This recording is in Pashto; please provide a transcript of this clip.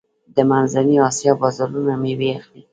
د منځنۍ اسیا بازارونه میوې اخلي.